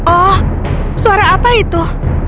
oh suara apa itu